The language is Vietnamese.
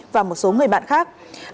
và một số người bạn khác